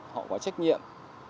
họ có trách nhiệm